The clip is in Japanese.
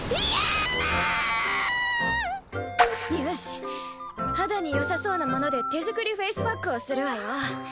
よし肌によさそうなもので手作りフェイスパックをするわよ。